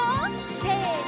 せの！